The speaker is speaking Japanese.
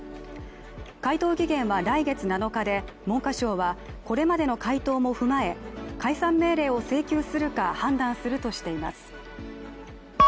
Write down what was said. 解答期限は来月７日で文科省は、これまでの回答も踏まえ解散命令を請求するか判断するとしています。